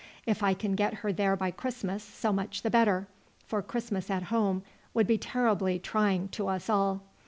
If I can get her there by Christmas so much the better, for Christmas at home would be terribly trying to us all.